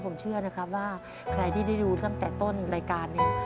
ผมเชื่อนะครับว่าใครที่ได้ดูตั้งแต่ต้นรายการนี้